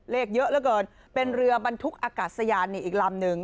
เยอะเหลือเกินเป็นเรือบรรทุกอากาศยานนี่อีกลำนึง